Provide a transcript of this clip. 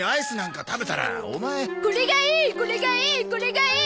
これがいい！